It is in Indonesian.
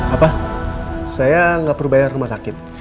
apa saya nggak perlu bayar rumah sakit